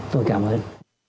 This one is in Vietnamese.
tôi cảm ơn